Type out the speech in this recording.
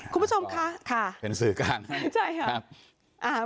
คุณผู้ชมค่ะเป็นสื่อการ